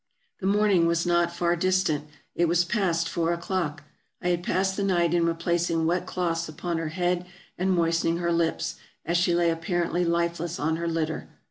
The morning was not far distant ; it was past four o'clock. I had passed the night in replacing wet cloths upon her head and moistening her lips, as she lay apparently lifeless on her litter.